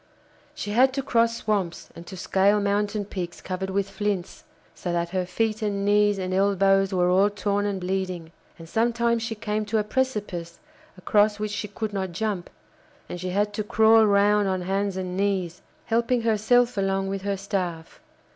She had to cross swamps and to scale mountain peaks covered with flints, so that her feet and knees and elbows were all torn and bleeding, and sometimes she came to a precipice across which she could not jump, and she had to crawl round on hands and knees, helping herself along with her staff.